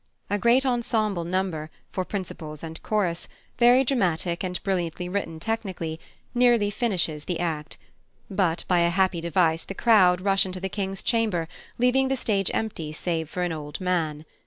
A great ensemble number, for principals and chorus, very dramatic and brilliantly written technically, nearly finishes the act; but by a happy device the crowd rush into the King's chamber, leaving the stage empty save for an old man.